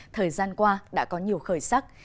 thời gian qua đã có nhiều khởi sắc